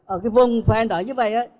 ở cái vùng phen đó như vậy